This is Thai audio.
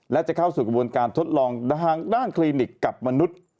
และจะเข้าสู่กระบวนการทดลองทางด้านคลินิกกับมนุษย์